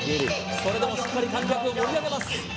それでもしっかり観客を盛り上げます